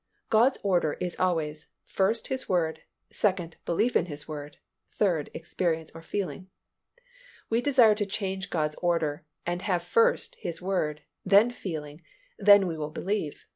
God's order is always: first, His Word; second, belief in His Word; third, experience, or feeling. We desire to change God's order, and have first, His Word, then feeling, then we will believe.